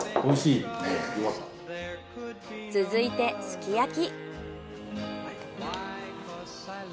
続いてすき焼き。